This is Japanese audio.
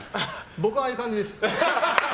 僕はああいう感じです。